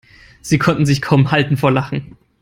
Sie konnte sich kaum halten vor Lachen.